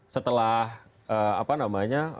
setelah apa namanya